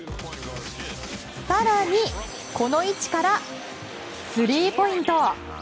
更に、この位置からスリーポイント！